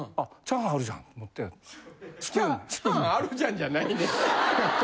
「チャーハンあるじゃん」じゃないねん。